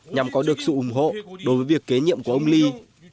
nhằm có được sự ủng hộ đối với việc kế nhiệm của ông lee